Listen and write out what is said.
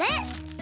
え